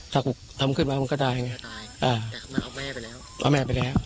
ถ้ากูทำขึ้นมามันก็ตายไงตายแต่ทำไมเอาแม่ไปแล้วเอาแม่ไปแล้ว